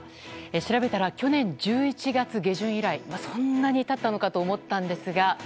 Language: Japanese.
調べたら去年１１月下旬以来そんなに経ったのかと思ったんですが。